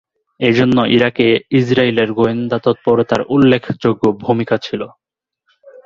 এজন্য ইরাকে ইসরাইলের গোয়েন্দা তৎপরতার উল্লেখযোগ্য ভূমিকা ছিল।